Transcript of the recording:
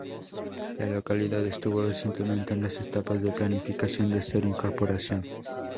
La localidad estuvo recientemente en las etapas de planificación de ser incorporación.